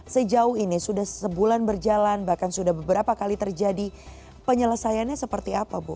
sejauh ini sudah sebulan berjalan bahkan sudah beberapa kali terjadi penyelesaiannya seperti apa bu